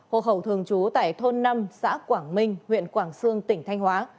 hộ khẩu thường trú tại thôn năm xã quảng minh huyện quảng sương tỉnh thanh hóa